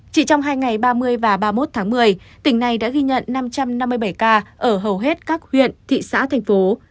chỉ trong hai ngày ba mươi và ba mươi một tháng một mươi tỉnh này đã ghi nhận năm trăm năm mươi bảy ca ở hầu hết các huyện thị xã thành phố